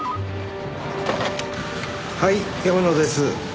はい山野です。